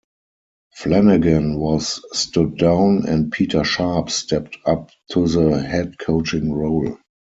Flanagan was stood down and Peter Sharp stepped up to the head coaching role.